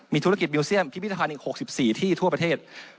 ธุรกิจบิวเซียมพิพิธภัณฑ์อีก๖๔ที่ทั่วประเทศ